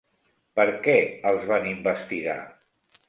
Per què els van investigar?